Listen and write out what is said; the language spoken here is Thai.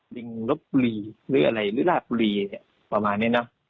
ลิงลบบุรีหรืออะไรหรือลาบบุรีประมาณนี้เนอะ